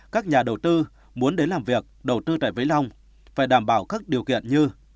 các nhà đầu tư muốn đến làm việc đầu tư tại vĩnh long phải đảm bảo các điều kiện như